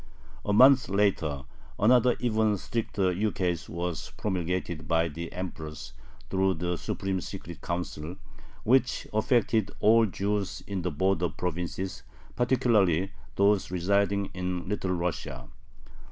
A month later another even stricter ukase was promulgated by the Empress through the Supreme Secret Council, which affected all Jews in the border provinces, particularly those residing in Little Russia.